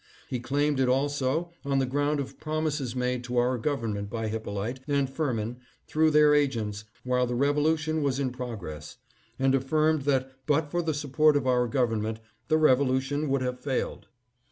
He claimed it also on the ground of promises made to our government by Hyppo lite and Firmin through their agents while the revolu tion was in progress, and affirmed that but for the support of our government the revolution would have failed.